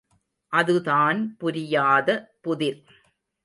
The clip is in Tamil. அதுதான் புரியாத புதிர்!